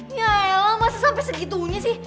ya elah masa sampe segitunya sih